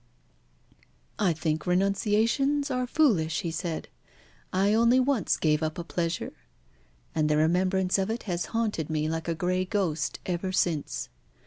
"I think renunciations are foolish," he said. "I only once gave up a pleasure, and the remembrance of it has haunted me like a grey ghost ever since.